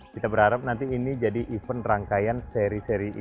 kita berharap nanti ini jadi event rangkaian seri seri e